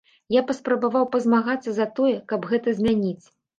Я паспрабаваў пазмагацца за тое, каб гэта змяніць.